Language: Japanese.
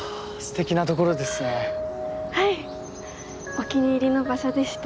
お気に入りの場所でして。